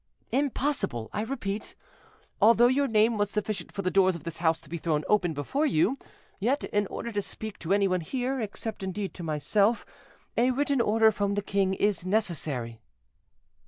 "Impossible, I repeat. Although your name was sufficient for the doors of this house to be thrown open before you, yet in order to speak to any one here, except indeed to myself, a written order from the king is necessary."